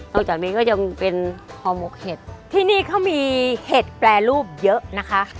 จากนี้ก็ยังเป็นห่อหมกเห็ดที่นี่เขามีเห็ดแปรรูปเยอะนะคะ